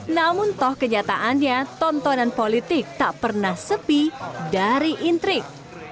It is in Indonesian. namun toh kenyataannya tontonan politik tak pernah sepi dari intrik